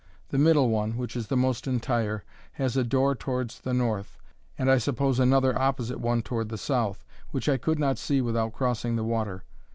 The middle one, which is the most entire, has a door towards the north, and I suppose another opposite one toward the south, which I could not see without crossing the water.